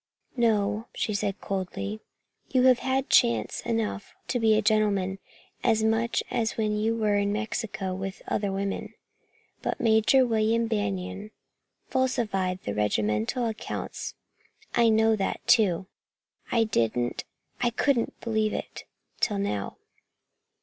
"No," she said coldly. "You have had chance enough to be a gentleman as much as you had when you were in Mexico with other women. But Major William Banion falsified the regimental accounts. I know that too. I didn't I couldn't believe it till now."